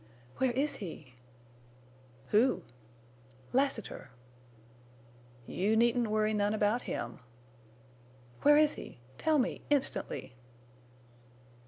"Where is—he?" "Who?" "Lassiter!" "You needn't worry none about him." "Where is he? Tell me—instantly."